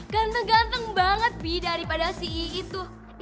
ganteng ganteng banget bi daripada si iit tuh